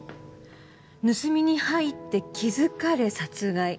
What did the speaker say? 盗みに入って気づかれ殺害。